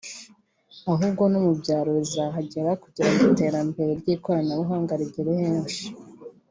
ahubwo no mu byaro rizahagera kugirango iterambere ry’ikoranabuhanga rigere henshi